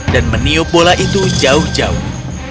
dan meniup bola itu jauh jauh